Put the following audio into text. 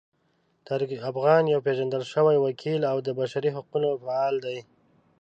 طارق افغان یو پیژندل شوی وکیل او د بشري حقونو فعال دی.